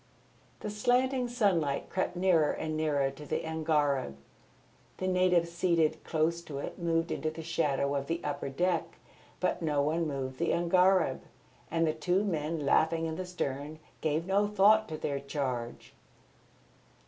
The slanting sunlight crept nearer and nearer to the angareb. The natives seated close to it moved into the shadow of the upper deck, but no one moved the angareb, and the two men laughing in the stern gave no thought to their charge.